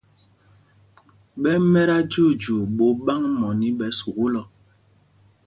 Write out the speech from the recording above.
Ɓɛ́ ɛ́ mɛt ajyuujyuu ɓot ɓâŋ mɔní ɓɛ sukûl ɔ.